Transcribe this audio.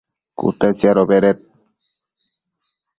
cute tsiadobeded